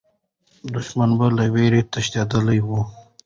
دښمن به له ویرې تښتېدلی وو.